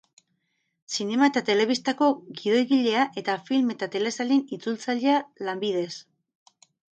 Zinema eta telebistako gidoigilea, eta film eta telesailen itzultzailea, lanbidez.